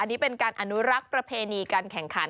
นี่เป็นการอนุรักษ์ประเพณีการแข่งขัน